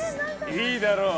いいだろう。